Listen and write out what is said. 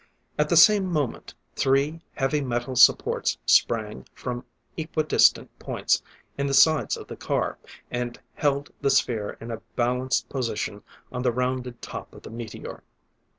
At the same moment, three heavy metal supports sprang from equi distant points in the sides of the car, and held the sphere in a balanced position on the rounded top of the meteor.